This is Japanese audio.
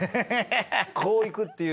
こういくっていう。